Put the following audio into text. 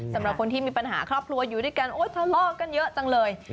สำหรับคนที่มีปัญหาครอบครัวอยู่ด้วยกันโอ๊ยทะเลาะกันเยอะจังเลย